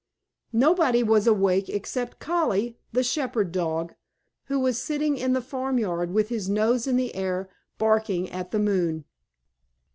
Nobody was awake except Collie, the Shepherd Dog, who was sitting in the farmyard with his nose in the air, barking at the moon.